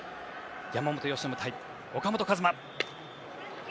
山本由伸対岡本和真。